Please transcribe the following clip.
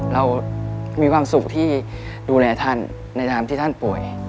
เรามีความสุขที่ดูแลท่านในทางที่ท่านป่วย